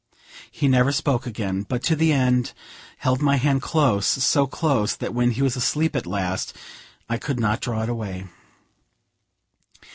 He never spoke again, but to the end held my hand close, so close that when he was asleep at last, I could not draw it away.